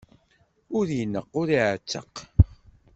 Ur ineqq, ur iɛetteq.